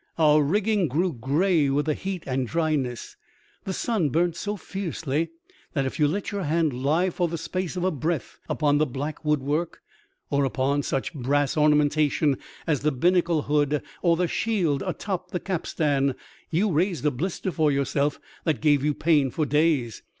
Our rigging grew grey with the heat and dryness, the sun burnt so fiercely that if you let your hand lie for the space of a breath upon the black woodwork, or upon such brass ornamentation as the binnacle hood or the shield atop of the capstan, you raised a blister for yourself that gave you pain for days.